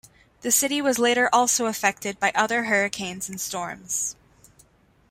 The city was later also affected by other hurricanes and storms.